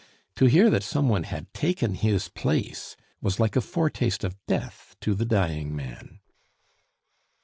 To hear that someone had taken his place was like a foretaste of death to the dying man.